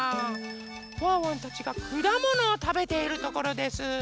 ワンワンたちがくだものをたべているところです。